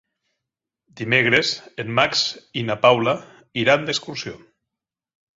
Dimecres en Max i na Paula iran d'excursió.